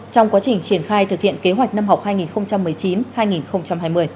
trong quá trình triển khai thực hiện kế hoạch năm học hai nghìn một mươi chín hai nghìn hai mươi